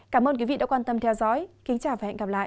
cảm ơn quý vị đã quan tâm theo dõi kính chào và hẹn gặp lại